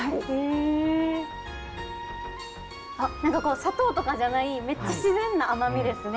何かこう砂糖とかじゃないめっちゃ自然な甘みですね。